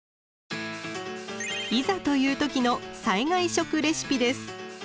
いざという時の災害食レシピです。